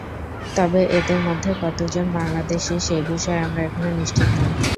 তবে এদের মধ্যে কতজন বাংলাদেশি, সেই বিষয়ে আমরা এখনো নিশ্চিত নই।